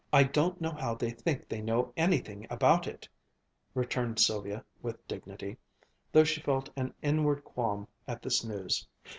"I don't know how they think they know anything about it," returned Sylvia with dignity, though she felt an inward qualm at this news.